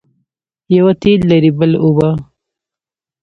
یوه تېل لري بل اوبه.